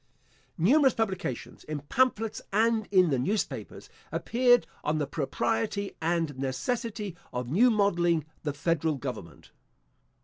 Numerous publications, in pamphlets and in the newspapers, appeared, on the propriety and necessity of new modelling the federal government.